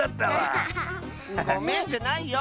ごめんじゃないよ！